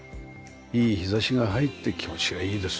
いい日差しが入って気持ちがいいです。